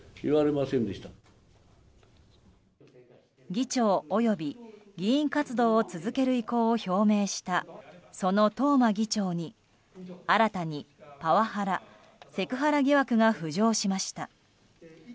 議長及び議員活動を続ける意向を表明したその東間議長に、新たにパワハラ・セクハラ疑惑が浮上しました。